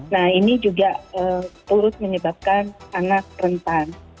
nah ini juga turut menyebabkan anak rentan